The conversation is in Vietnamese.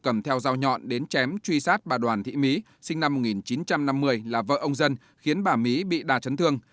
cầm theo dao nhọn đến chém truy sát bà đoàn thị mỹ sinh năm một nghìn chín trăm năm mươi là vợ ông dân khiến bà mỹ bị đà chấn thương